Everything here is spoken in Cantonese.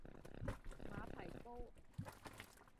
馬蹄糕